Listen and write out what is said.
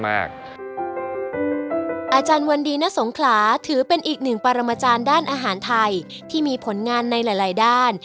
อาจารย์วันดีณสงขลาถือเป็นอีกหนึ่งปรมาจารย์ด้านอาหารไทยที่มีผลงานในหลายด้าน